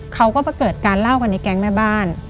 เขาก็เกิดการเล่ากันในแก๊งแม่บ้าน